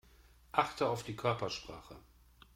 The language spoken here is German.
Achte auf die Körpersprache.